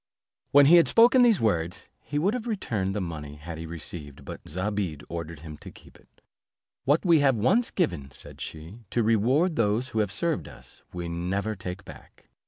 When he had spoken these words he would have returned the money he had received, but Zobeide ordered him to keep it. "What we have once given," said she, "to reward those who have served us, we never take back.